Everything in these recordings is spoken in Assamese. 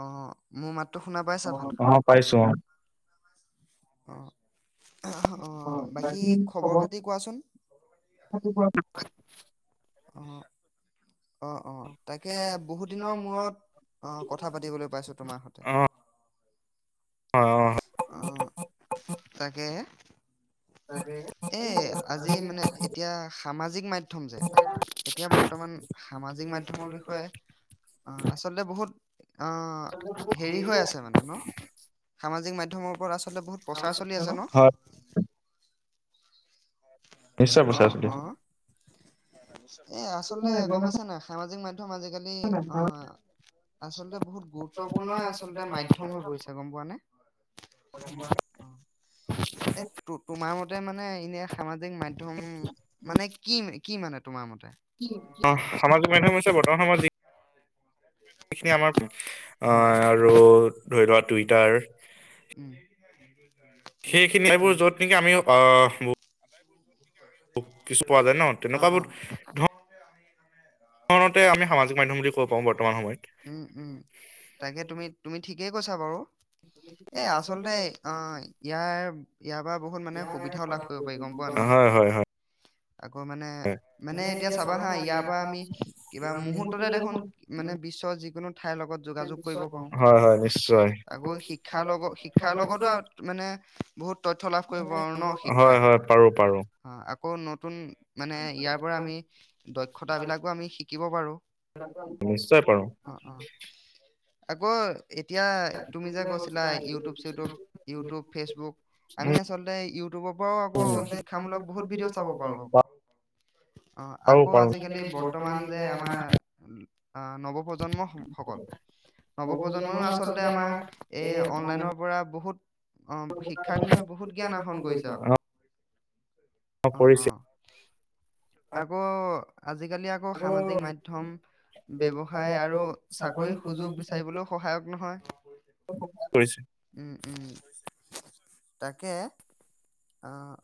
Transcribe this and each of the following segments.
অ' মোৰ মাতটো। শুনা পাইছা অ ভালকৈ অ পাইছোঁ। অ! অ বাকী খবৰ খাতি কোৱাচোন? [unintelligible] [inaudible] অ'! অ'! তাকে বহুত দিনৰ মূৰত, অঁ কথা পাতিবলৈ পাইছো তোমাৰ সৈতে। অ। অ, তাকেই। এ, আজি মানে এতিয়া সামাজিক মাধ্যম যে, এতিয়া বৰ্তমান সামাজিক মাধ্যমৰ বিষয়ে, আচলতে বহুত অঁ, হেৰি হৈ আছে মানে ন? সামাজিক মাধ্যমৰ ওপৰত বহুত প্ৰচাৰ চলি আছে ন? হয় নিশ্চয় পইচাইছো অ' দিয়া। অ' এই আচলতে গম পাইছা নাই সামাজিক মাধ্যম আজিকালি অ, আচলতে বহুত গুৰুত্বপূৰ্ণ আচলতে মাধ্যম হৈ পৰিছে, গম পোৱা নে? এ তোমাৰ ম মানে এনে সামাজিক। মাধ্যম মানে কি কি মানে। তোমাৰ মতে। অ আমাৰ মাধ্যম হৈছে বৰ্তমান সময়ত যি। সখিনিয় আমাৰ হয় অহ আৰু। ধৰি লোৱা টুইটাৰ? উম সেইখিনি সবোৰ উম য'ত নেকি আমি। কিছু পোৱা যায় ন অ অ তেনেকুৱাবোৰণতে আমি সামাজিক মাধ্য়ম বুলি কব পাওঁ বৰ্তমান সময়ত। উম কৈছে বাৰু। এ আচলতে অ ইয়াৰ। ইয়াৰ পৰা বহুত মানে সুবিধাও লাভ কৰিব পাৰি গম পোৱা নাই। হয় হয় হয় আকৌ মানে মানে এতিয়া চাবা হা ইয়াৰ পৰা আমি কিবা মুহূুৰ্ততে দেখোন মানে বিশ্বৰ যিকোনো। ঠাইৰ লগত যোগাযোগ কৰিব পাৰো হয় হয় নিশ্চয় আকৌ শিক্ষাৰ লগত শিক্ষাৰ লগতো আৰু মানে বহুত তথ্য় লাভ কৰিব পাৰো ন হয় শিক্ষাৰ হয় পাৰো পাৰো। অ। আকৌ নতুন। মানে ইয়াৰ পৰা আমি দক্ষতা বিলাকো আমি শিকো। শিকিব পাৰোঁ। নিশ্চয় পাৰো। আকৌ। এতিয়া, তুমি যে কৈছিলা, ইউটিউব-চিউটিউব, ইউটিউব, ফেচবুক আমি আচলতে ইউটিউবৰ পৰাও আক শিক্ষামূলক বহুত ভিডিঅ' চাব পাৰা, [unintelligible] আহ, পাৰো আকৌ পাৰো আজিকালি বৰ্তমান যে আমাৰ আহ নৱপ্ৰজন্ম সকল, নৱপ্ৰজন্মইও আচলতে আমাৰ এই অনলাইনৰ পৰা বহুত আহ শিক্ষাৰ বিষয়ে বহুত জ্ঞান আহৰণ কৰিছে, আকৌ অ, কৰিছে। আকৌ আজিকালি আকৌ সামাজিক মাধ্যম, ব্যৱসায় আৰু চাকৰিৰ সুযোগ বিচাৰিবলৈও সহায়ক নহয় কৰিছে। উম উম তাকে, অহ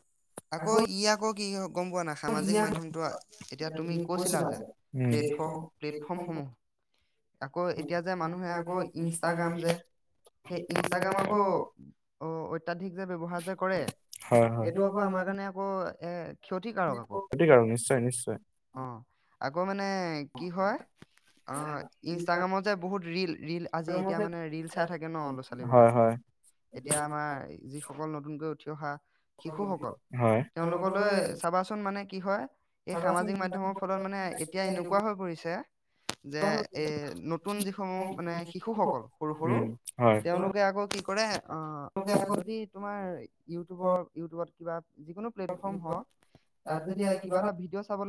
আকৌ, ইয়াক কি হব [unintelligible] গম পোৱা নাই, সামাজিক মাধ্যমটো এতিয়া তুমি কৈছিলা যে, উম প্লেটফৰ্ম-প্লেটফৰ্মসমূহ আকৌ, এতিয়া যে মানুহে আকৌ ইনষ্টাগ্ৰাম যে, সেই ইনষ্টাগ্ৰাম আকৌ, অ অত্যাধিক যে ব্যৱহাৰ যে কৰে, হয় হয় সেইটো আকৌ আমাৰ কাৰণে আকৌ এক ক্ষতিকাৰক আকৌ, সঠিক আৰু নিশ্চয় নিশ্চয় অ, আকৌ মানে কি হয়? অহ ইনষ্টাগ্ৰামত যে বহুত ৰিল ৰিল আজি এতিয়া মানে ৰিল চাই থাকে ন ল'ৰা-ছোৱালী হয় বিলাকে, হয় এতিয়া আমাৰ যিসকল নতুনকৈ উঠি অহা শিশুসকল হয় তেওঁলোকলৈ চাবাচোন মানে কি হয়? এই সামাজিক মাধ্যমৰ ফলত মানে এতিয়া এনেকোৱা হৈ পৰিছে যে এ নতুন যিসমূহ মানে শিশুসকল, সৰু-সৰু উম হয় তেওঁলোকে আকৌ কি কৰে, অহ, যদি তোমাৰ ইউটিউবৰ-ইউটিউবত কিবা যিকোনো প্লেটফৰ্ম হওঁক, তাত যদি কিবা এটা ভিডিঅ চাব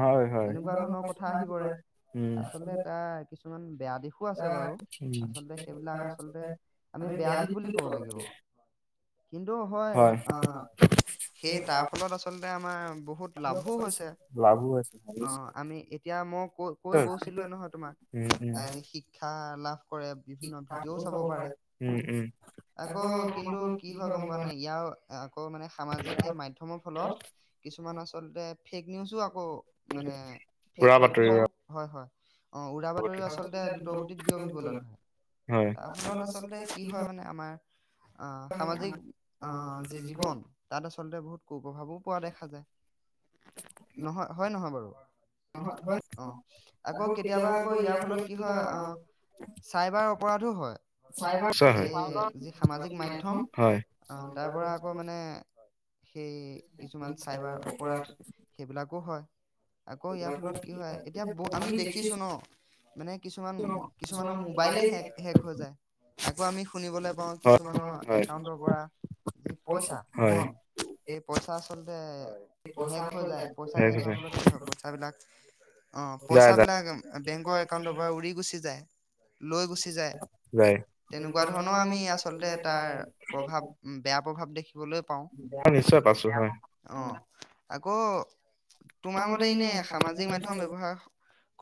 হয়-হয় তেনেকুৱা ধৰণৰ কথা আচলতে তাৰ কিছু অ বেয়া দিশো আছে বাৰু, উম আচলতে সেইবিলাক আচলতে আমি বেয়া দিশ বুলি ক'ব লাগিব, কিন্তু হয় সেই তাৰ ফলত আচলতে আমাৰ বহুত লাভো হৈছে লাভো আছে। অ আমি এতিয়া মোক। কৈ কৈ নিশ্চয় কৈছিলা নহয় তোমাক এ শিক্ষা লাভ। কৰে বিভিন্ন ভিডিঅ'ও চাব পাৰে আকৌ কিন্তু আকৌ কি হয় কিন্তু কি গম হয় গম পোৱা নাই ইয়াৰ আকৌ মানে সামাজিক সেই মাধ্যমৰ ফলত কিছুমান আচলতে ফেক নিউজো আকৌ মানে বিশেষ উৰা বাতৰি তথ্যও উৰা হয় হয় অ উৰা বাতৰি বাতৰিও আচলতে দ্ৰুতগতিত বিয় বিয়পি পেলালে হয় হয় তাৰপিছত আচলতে কি হয় মানে আমাৰ আহ সামাজিক আহ যি জীৱন তাত আচলতে বহুত কুপ্ৰভাৱো পোৱা দেখা যায় নহয় হয় নহয় বাৰু অ আকৌ কেতিয়াবা আকৌ ইয়াৰ ফলত কি হয় অহ চাইবাৰ অপৰাধো হয় নিশ্চয় হয় এই যি সামাজিক মাধ্যম হয় অহ তাৰ পৰা আকৌ মানে সেই কিছুমান চাইবাৰ অপৰাধ সেইবিলাকো হয় আকৌ ইয়াৰ ফলত কি হয় এতিয়া আমি দেখিছো ন মানে কিছুমান কিছুমানৰ মোবাইলে হে হেক হৈ যায় থাকো আমি শুনিবলৈ পাওঁ কিছুমানৰ হয় একাউন্টৰ পৰা যি পইচা হয় ধন সেই পইচা আচলতে সেই পইচা ক'ত যায় হেক হৈ যায় তাবিলাক অঁ পইচাবিলাক বেংকৰ একাউণ্টৰ পৰা উৰি গুচি যায় এ লৈ গুচি যায় যায় তেনেকুৱা ধৰণৰ আমি আচলতে তাৰ প্ৰভাৱ বেয়া প্ৰভাৱ দেখি ম নিশ্চয় পাইছো হয় অ আকৌ তোমাৰ মতে নে সামাজিক মাধ্যম ব্যৱহাৰ হ।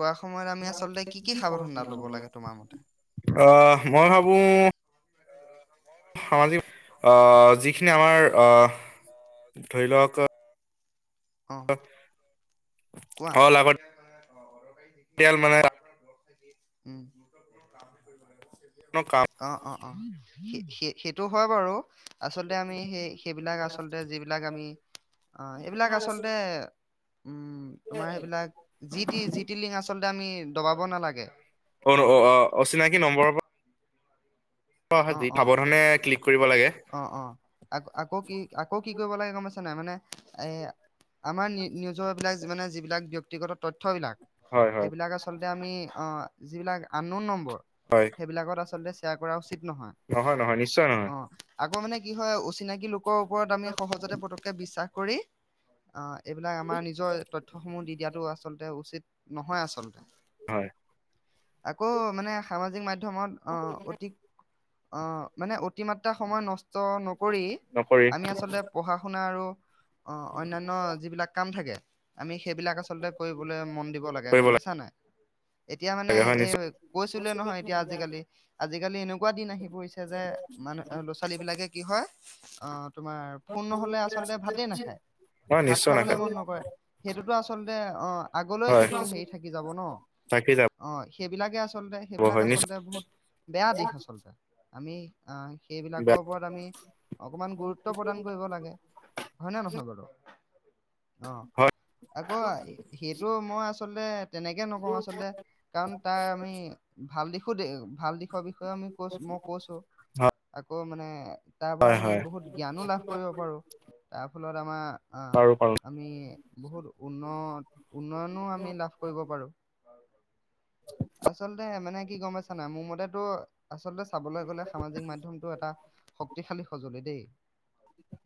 ল'ব লাগে তোমাৰ মতে? অহ মই ভাৱো। সামাজিক যিখিনি আমাৰ ধৰি লওক। অ', এ কোৱা অলাগতিয়াল লাগতিয়াল মানে। উম কাম অ অ অ সেইটো হয় বাৰু আচলতে আমি সেই সেইবিলাক আচলতে যিবিলাক আমি অ এইবিলাক আচল আচলতে, উম তোমাৰ সেইবিলাক যি টি যি টি লিং আচলতে আমি দবাব নালাগে। অ অ অ অচিনাকি নম্বৰৰ পৰা অহা অ যি অ সাৱধানে ক্লিক কৰিব লাগে অ অ আকৌ আকৌ কি আকৌ কি কৰিব লাগে গম পাইছা নাই মানে এ আমাৰ নিজৰ বিলাকে যিমানে যিবিলাক ব্যক্তি ব্যক্তিগত তথ্যবিলাক হয় হয় সেইবিলাক আচলতে আমি অহ। যিবিলাক আন নন নম্বৰ হয় সেইবিলাকত আচলতে এয়া কৰা উচিত। নহয় নহয় নিশ্চয় নহয় অঁ আকৌ মানে। কি হয় অচিনাকি কি লোকৰ ওপৰত আমি সহজতে পটকৈ বিশ্বাস কৰি আঁহ এইবিলাক আমাৰ নিজৰ তথ্যসমূহ দি দিয়াটো আচলতে উচিত। নহয় আচলতে, হয় আকৌ মানে সামাজিক মাধ্যম মাধ্যমত আঁ অতিক অঁ মানে অতিমাত্ৰা সময় নষ্ট ষ্ট নকৰি নকৰি আমি আচলতে পঢ়া শুনা আৰু অঁ অন্যান্য যিবিলাক কাম থাকে আমি সেইবিলাক আচলতে কৰিবলৈ মন দিব লাগে কৰিব গম পাইছা নাই এতিয়া মানে লাগে হয় এই নিশ্চয় কৈছিলে নহয় এতিয়া আজিকালি আজিকালি এনে এনেকুৱা দিন আহি পৰিছে যে মানে ল'ৰা ছোৱালীবিলাকে কি হয়, অঁহ। তোমাৰ ফোন নহলে আচলতে ভাতেই নাখায় হয় ভাত নিশ্চয় খাবলে নাখায় মন নকৰে সেইটোতো আচলতে অঁ আগলৈয় হয় সেইটো হেৰি থাকি যাব ন থাকি যাব অঁ সেইবিলাকে আচ আচলতে হয় সেইবিলাক নিশ্চয় আচলতে বহুত বেয়া দিশ আচল। আমি। আহ বেয়া সেইবিলাকৰ ওপৰত আমি অকনমান গুৰুত্ব প্ৰদান কৰিব লাগে হয় নে নহয় বাৰু। অ হয় আকৌ সেইটো মই আছোঁ। আচলতে তেনেকে নকওঁ আচলতে কাৰণ তাৰ আমি ভাল দিশ। সুধে ভাল দিশৰ বিষয়ে মোক মই কৈছোঁ আকৌ। হয় আকৌ মানে। তাৰ পৰা হয় আমি হয় বহুত জ্ঞানো লাভ কৰিব পাৰোঁ তাৰপা। ফুলত আমাৰ- অ পাৰো পাৰো আমি বহুত উন্নত। উন্নয়নো আমি লাভ কৰিব পাৰোঁ। আচলতে মানে কি গম পাইছা নাই মোৰ মতেতো- আচলতে চাবলৈ গ'লে সামাজিক মাধ্যম এটা শক্তিশালী সঁজুলি। দেই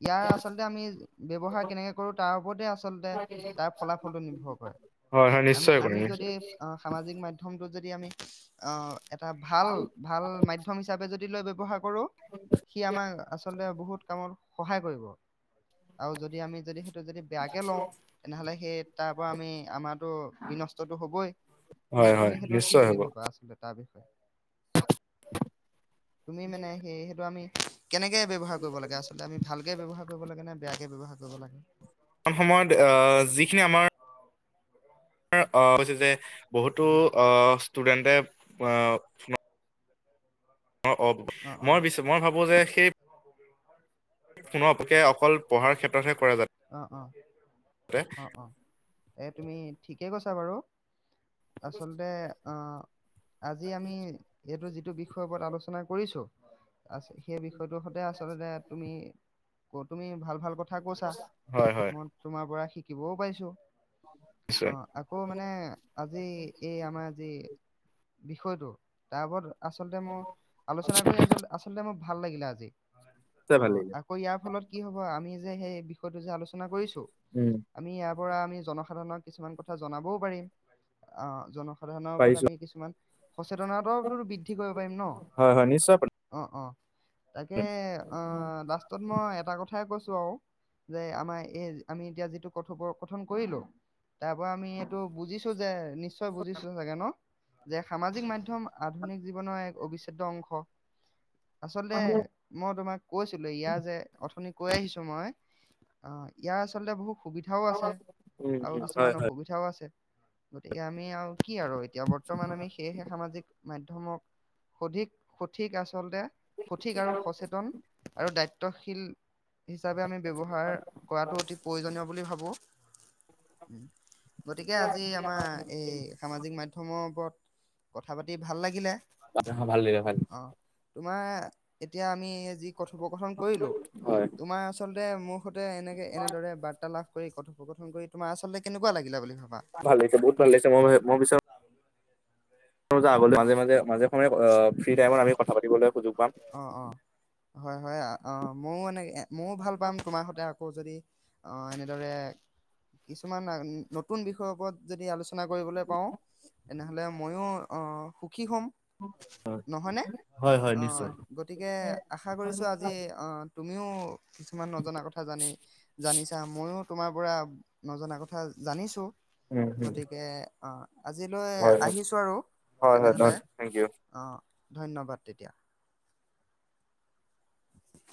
ইয়াৰ আচলতে আমি ব্যৱহাৰ কেনেকে কৰোঁ। তাৰ ওপৰতে আচলতে তাৰ ফলাফলটো নিৰ্ভৰ কৰে। হয় হয় আমি নিশ্চয় কৰিম আমি নিশ্চয় যদি সামাজিক মাধ্যম- টো যদি আমি অ এটা ভাল ভাল মাধ্যম হিচাপে যদি। ব্যৱহাৰ কৰোঁ সি আমাৰ আচলতে বহুত কামত সহায় কৰিব আৰু যদি আমি যদি- যদি বেয়াকে লওঁ তেনেহ'লে সেই তাৰ পৰা আমি আমাতো। বিনষ্টতটো হ'বই। তুমি হয় তুমি হয় সেইটো কি নিশ্চয় বুলি হ'ব ভাবা আচলতে তাৰ বি- তুমি মানে সেই সেইটো আমি- কেনেকে ব্যৱহাৰ কৰিব লাগে আচলতে আমি ভাল। কে ব্যয়হাৰ কৰিব লাগে বেয়াকে ব্যৱহাৰ কৰিব লাগে। মান সময়ত যিখিনি আমাৰ। মাৰ অ হৈছে যে। বহুতো অ ষ্টুডেণ্টে! অ মই মই ভাবো যে সেই, কোনো অপক্ষে অকল পঢ়াৰ ক্ষেত্ৰতহে কৰে অ অ যাতে! অ অ এ তুমি ঠিকেই কৈছা বাৰু। আচলতে অঁ, আজি আমি এইটো, বিষয় ওপৰত আলোচনা, কৰিছোঁ। আছে সেই বিষয়টো সতে, আচলতে তুমি? ক তুমি ভাল ভাল কথা। কথা কছা হয়, হয়, মই তোমাৰ পৰা শী। থাকিবও পাইছো। অ নিশ্চয়। আকৌ মানে আজি এই আমাৰ যি। বিষয়টো তাৰ ওপৰত আচলতে মোৰ। আলোচনা কৰি আ আচলতে। ভাল লাগিলে আজি। নিশ্চয় ভাল অঁ লাগিলে আকৌ ইয়াৰ ফলত কি হব আমি। যে সেই, যে আলোচনা কৰিছোঁ উম, আমি ইয়াৰ পৰা আমি জনসাধাৰণক। কিছুমান কথা জনাবও পাৰিম আহ জন। সাধাৰণৰ ওপৰত পাৰিছো আমি কিছুমান। সচেতনতাও টো তো বৃদ্ধি কৰিব পাৰিম ন। হয়, নিশ্চয় পাৰিম। অ অ তাকে অঁ লাষ্টত মই এটা কথাই কৈছো। চ আমাৰ এই আমি এতিয়া যিটো কথোপ কথন কৰিলো তাৰ পৰা আমি এইটো বুজিছো যে, নিশ্চয় বুজিছো চাগে ন! যে সামাজিক মাধ্যম। আধুনিক জীৱনৰ এক অবিচ্ছেদ্য অংশ। হয়। আচলতে মই তোমাক, কৈছিলো ইয়াৰ যে অথনি কৈ আহিছো মই, অঁ ইয়াৰ আচলতে বহুত সুবিধাওঁ আছে আৰু হয়, কিছুমান হয়, অসুবিধাওঁ আছে গতিকে আমি আৰু কি আৰু এতিয়া বৰ্তমান আমি সেয়েহে সামাজিক মাধ্যমৰ মাধ্যমক অধিক সঠিক আচলতে সঠিক আৰু সচেতন আৰু দায়িত্ব। শীল হিচাপে আমি ব্যৱহাৰ কৰাটো অতি প্ৰয়োজনীয় বুলি ভাবো। উম গতিকে আজি আমাৰ এই সামাজিক মাধ্যমৰ ওপৰত কথা পাতি ভাল লাগিলে। ভাল লাগিলে ভাল। অঁ ', তোমাৰ এতিয়া আমি যি কথোপকথন কৰিলো তোমাৰ আচলতে দে মোৰ। মুঠতে এনেকৈ এনেদৰে বাৰ্তালাপ। কৰি কথোপকথন কৰি তোমাৰ আচলতে কেনেকুৱা লাগিলে বুলি ভাব হয়। ভাল লাগিছে বহুত ভাল লাগিছে মই মানে আগ অ মাজে- মাজে মাজে সময়ে ফ্ৰী টাইমত আমি কথা পাতিবলৈ সুযোগ পাম। অ অ হয় -হয় অ ' ময়ো মানে ময়ো ভাল পাম তোমাৰ সতৈ আকৌ যদি অঁ 'এনেদৰে কিছুমান নতুন বিষয়ৰ ওপৰত যদি আলোচনা কৰিবলৈ পাওঁ তেনেহলে ময়ো অঁ' সুখী হ'ম নহয়নে? অঁ' গতিকে আশা কৰিছোঁ আজি তুমিও। কিছুমান নজনা কথা জানি জানিছা ময়ো। তোমাৰ পৰা নজনা কথা জানিছো। উম, উম, গতিকে অঁ'। আজিলৈ হয়, হয়। আহিছো আৰু। হয় হ-য় দ তেনেহলে থেংক ইউ। আহ ধন্যবাদ তেতিয়া।